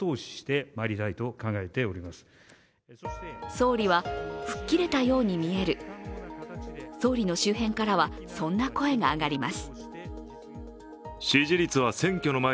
総理は、吹っ切れたように見える総理の周辺からはそんな声が上がります。